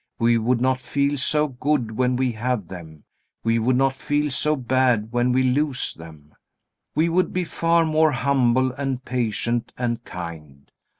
We would not feel so good when we have them; we would not feel so bad when we lose them. We would be far more humble and patient and kind.